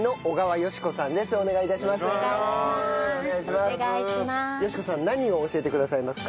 佳子さん何を教えてくださいますか？